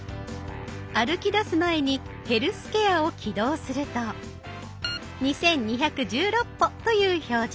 歩き出す前に「ヘルスケア」を起動すると「２，２１６歩」という表示。